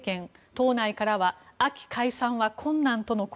党内からは秋解散は困難との声。